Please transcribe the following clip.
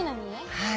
はい。